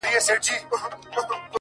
• د زلفو بڼ كي د دنيا خاوند دی ـ